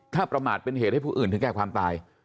ถ้าประมาทเป็นเหตุให้ผู้อื่นถึงแก่ความตาย